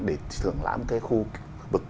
để thưởng lãm cái khu